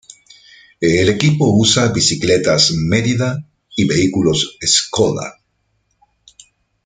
El equipo usa bicicletas Merida y vehículos Skoda.